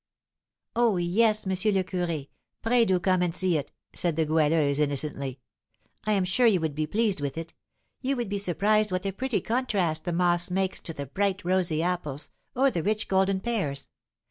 "Oh, yes, M. le Curé; pray do come and see it," said the Goualeuse, innocently; "I am sure you would be pleased with it. You would be surprised what a pretty contrast the moss makes to the bright rosy apples or the rich golden pears.